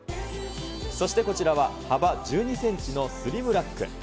そして、こちらは幅１２センチのスリムラック。